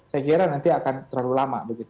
saya kira nanti akan terlalu lama